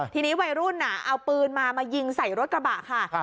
ทีนี้วัยรุ่นเอาปืนมามายิงใส่รถกระบะค่ะ